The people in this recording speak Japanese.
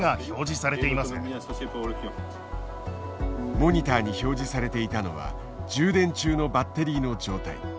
モニターに表示されていたのは充電中のバッテリーの状態。